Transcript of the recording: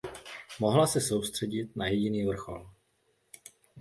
Mohla se soustředit na jediný vrchol.